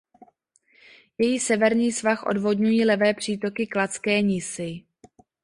Její severní svah odvodňují levé přítoky Kladské Nisy.